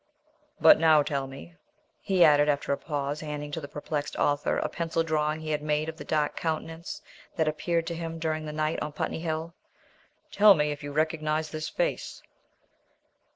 "But now, tell me," he added, after a pause, handing to the perplexed author a pencil drawing he had made of the dark countenance that had appeared to him during the night on Putney Hill "tell me if you recognize this face?"